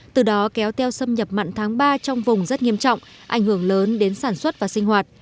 từ đó kéo theo xâm nhập mặn tháng ba trong vùng rất nghiêm trọng ảnh hưởng lớn đến sản xuất và sinh hoạt